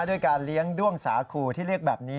ด้วยการเลี้ยงด้วงสาคูที่เรียกแบบนี้